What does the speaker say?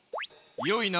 よいな？